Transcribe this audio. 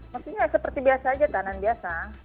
maksudnya seperti biasa saja kanan biasa